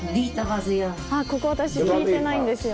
ここ私聞いてないんですよ。